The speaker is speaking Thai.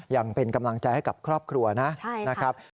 ยังเป็นกำลังใจให้กับครอบครัวนะนะครับใช่ครับ